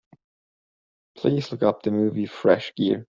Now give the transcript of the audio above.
Please look up the movie, Fresh Gear.